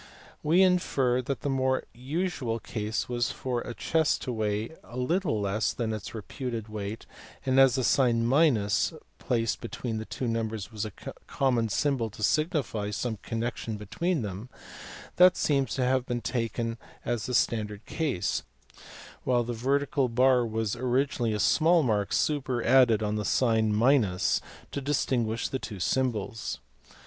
We infer that the more usual case was for a chest to weigh a little less than its reputed weight, and, as the sign placed between two numbers was a common symbol to signify some connection between them, that seems to have been taken as the standard case, while the vertical bar was originally a small mark superadded on the sign to distinguish the two symbols.